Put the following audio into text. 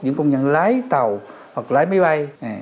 những công nhân lái tàu hoặc lái máy bay